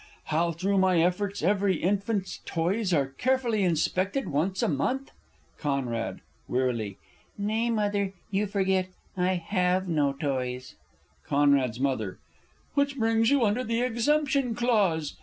How through my efforts every infant's toys Are carefully inspected once a month ? Con. (wearily). Nay, Mother, you forget I have no toys. C.'s M. Which brings you under the exemption clause.